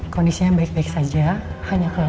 kondisinya baik baik saja hanya kalau